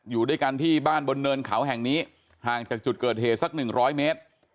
อยู่ด้วยกันที่บ้านบนเนินเขาแห่งนี้ห่างจากจุดเกิดเหตุสักหนึ่งร้อยเมตร